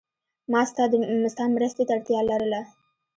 ما ستا مرستی ته اړتیا لرله.